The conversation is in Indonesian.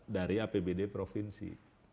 dari apbd provinsi